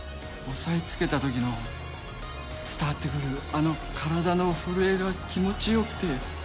押さえつけたときの伝わってくるあの体の震えが気持ち良くて。